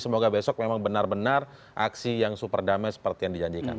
semoga besok memang benar benar aksi yang super damai seperti yang dijanjikan